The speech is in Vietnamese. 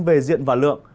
về diện và lượng